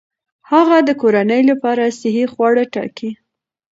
هغه د کورنۍ لپاره صحي خواړه ټاکي.